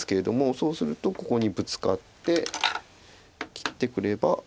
そうするとここにブツカって切ってくればこれで。